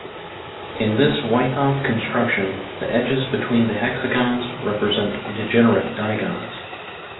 In this wythoff construction the edges between the hexagons represent degenerate digons.